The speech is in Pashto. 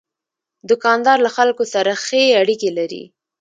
دوکاندار له خلکو سره ښې اړیکې لري.